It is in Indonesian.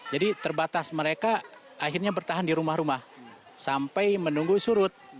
jadi terbatas mereka akhirnya bertahan di rumah rumah sampai menunggu surut